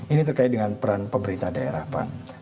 ini terkait dengan peran pemerintah daerah pak